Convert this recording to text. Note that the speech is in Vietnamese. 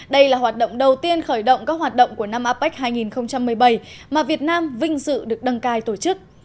đây là hoạt động đầu tiên khởi động các hoạt động của năm apec hai nghìn một mươi bảy mà việt nam vinh dự được đăng cai tổ chức